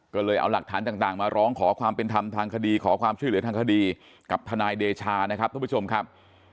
ก็เลยเอาหลักฐานต่างมาร้องขอความเป็นธรรมทางคดีขอความช่วยเหลือทางคดีกับทนายเดชานะครับทุกผู้ชมครับ